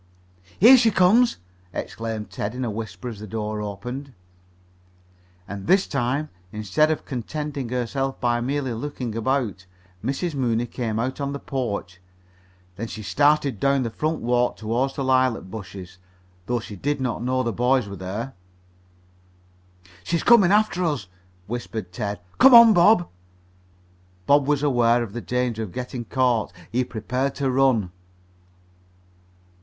"Here she comes!" exclaimed Ted in a whisper as the door opened. And this time, instead of contenting herself by merely looking about, Mrs. Mooney came out on the porch. Then she started down the front walk toward the lilac bushes, though she did not know the boys were there. "She's comin' after us," whispered Ted. "Come on, Bob." Bob was aware of the danger of getting caught. He prepared to run.